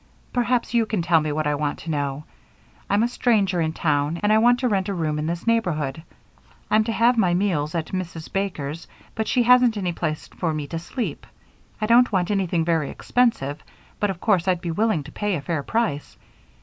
"Perhaps you can tell me what I want to know. I'm a stranger in town and I want to rent a room in this neighborhood. I am to have my meals at Mrs. Baker's, but she hasn't any place for me to sleep. I don't want anything very expensive, but of course I'd be willing to pay a fair price.